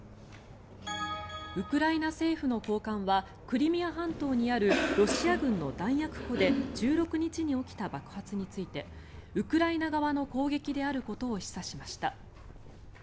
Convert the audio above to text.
ウクライナ政府の高官はクリミア半島にあるロシア軍の弾薬庫で１６日に起きた爆発についてウクライナ側の攻撃であることを示唆しました。